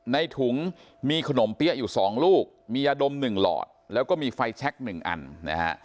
ในถุงมีขนมเปี้ยอยู่๒ลูกมียาดม๑หลอดแล้วก็มีไฟแช็ค๑อันนะฮะ